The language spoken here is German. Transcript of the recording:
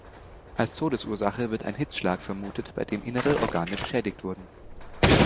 Als Todesursache wird ein Hitzschlag vermutet, bei dem innere Organe beschädigt wurden.